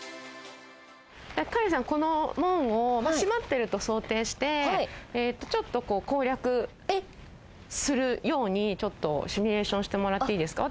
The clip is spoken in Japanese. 萩原さん：香蓮さん、この門を閉まってると想定してちょっと、こう攻略するようにシミュレーションしてもらっていいですか？